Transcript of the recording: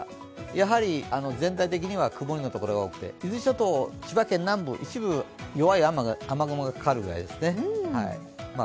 やはり全体的には曇りのところが多くて、伊豆諸島、千葉県南部一部弱い雨雲がかかりますね。